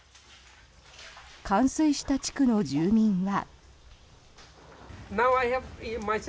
冠水した地区の住民は。